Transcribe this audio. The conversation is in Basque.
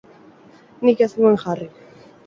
Nik ez nuen jarri.